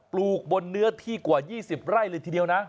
ลูกบนเนื้อที่กว่า๒๐ไร่เลยทีเดียวนะ